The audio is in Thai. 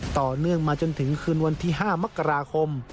ต่อเนื่องมาจนถึงคืนวันที่๕มกราคม